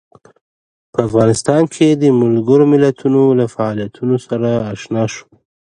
په افغانستان کې د ملګرو ملتونو له فعالیتونو سره آشنا شو.